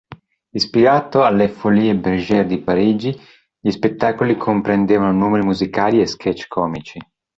Ispirato alle Folies Bergère di Parigi, gli spettacoli comprendevano numeri musicali e "sketch" comici.